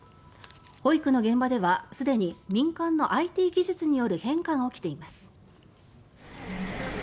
保育の現場ではすでに民間のＩＴ技術による変化が起きています。